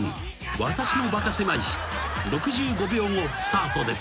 ［『私のバカせまい史』６５秒後スタートです］